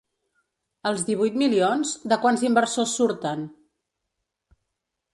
Els divuit milions, de quants inversors surten?